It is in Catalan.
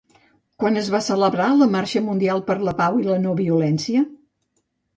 Quan es va celebrar la Marxa Mundial per la Pau i la No-Violència?